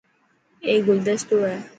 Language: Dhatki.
اي گلدستو هي.